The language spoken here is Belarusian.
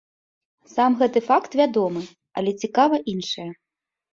Сам гэты факт вядомы, але цікава іншае.